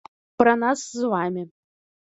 Пра нас з вамі.